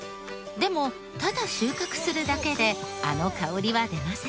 でもただ収穫するだけであの香りは出ません。